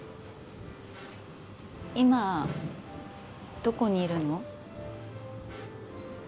今どこにいるの？